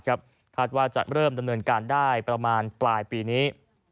คาดว่าจะเริ่มดำเนินการได้ประมาณปลายปีนี้